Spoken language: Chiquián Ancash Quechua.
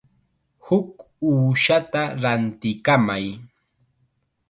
Huk uushata rantikamay.